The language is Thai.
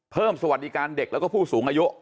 สวัสดีการเด็กแล้วก็ผู้สูงอายุ